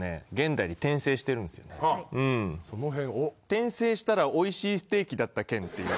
転生したら美味しいステーキだった件っていう。